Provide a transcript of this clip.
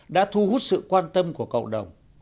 đã thu hút sự quan tâm của cộng đồng